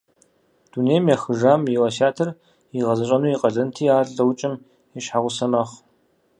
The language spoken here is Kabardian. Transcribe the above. Дунейм ехыжам и уэсятыр игъэзэщӏэну и къалэнти, ар лӏыукӏым и щхьэгъусэ мэхъу.